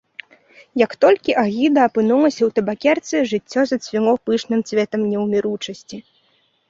Як толькі агіда апынулася ў табакерцы, жыццё зацвіло пышным цветам неўміручасці.